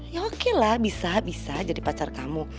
ya oke lah bisa bisa jadi pacar kamu